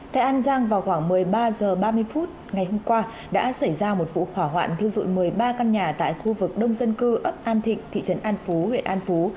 tại an giang vào khoảng một mươi ba h ba mươi phút ngày hôm qua đã xảy ra một vụ hỏa hoạn thiêu dụi một mươi ba căn nhà tại khu vực đông dân cư ấp an thịnh thị trấn an phú huyện an phú